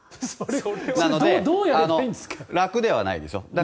なので、楽ではないんですよ。